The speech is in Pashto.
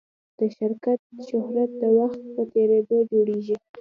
د شرکت شهرت د وخت په تېرېدو جوړېږي.